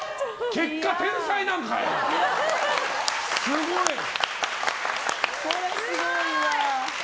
結果、天才なんかよ！